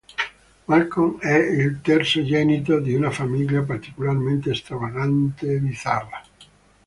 Malcolm è il terzogenito di una famiglia particolarmente stravagante e bizzarra.